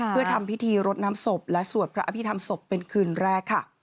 เพื่อทำพิธีรดน้ำศพและสวดพระอภิษฐรรมศพเป็นคืนแรกค่ะ